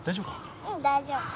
大丈夫か？